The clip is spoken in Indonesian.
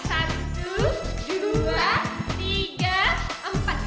satu dua tiga empat